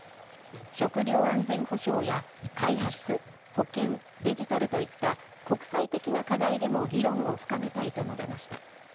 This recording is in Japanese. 食料安全保障や開発、保健、デジタルといった、国際的な課題でも議論を深めたいと述べました。